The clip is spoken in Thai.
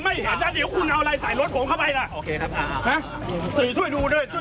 ไม่เห็นถ้าเดี๋ยวคุณเอาอะไรใส่รถผมเข้าไปนะโอเคครับครับนะสื่อช่วยดูด้วย